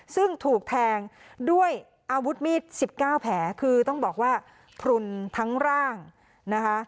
ซึ่งถูกแทงด้วยอาวุธมีด๑๙แผลคือต้องบอกว่าพลุนทั้งร่างนะคะ